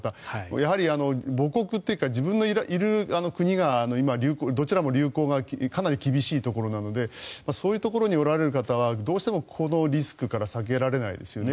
やはり母国というか自分のいる国が今、どちらも流行がかなり厳しいところなのでそういうところにおられる方はどうしてもこのリスクから避けられないですよね。